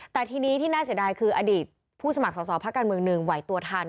แต่ทีนี้ที่น่าเสียดายคืออดีตผู้สมัครสอบภาคการเมืองหนึ่งไหวตัวทัน